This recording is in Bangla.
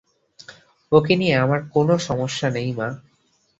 ওকে নিয়ে আমার কোনো সমস্যা নেই মা।